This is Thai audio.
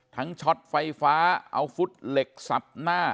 ช็อตไฟฟ้าเอาฟุตเหล็กสับหน้า